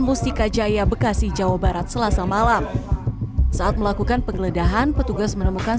mustika jaya bekasi jawa barat selasa malam saat melakukan penggeledahan petugas menemukan